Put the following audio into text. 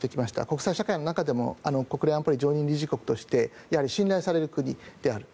国際社会の中でも国連安保理常任理事国としてやはり信頼される国である。